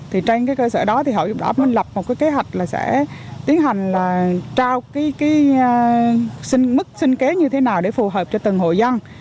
thì trên cái cơ sở đó thì hội chủ tập đỏ mình lập một cái kế hoạch là sẽ tiến hành là trao cái mức sinh kế như thế nào để phù hợp cho từng hội dân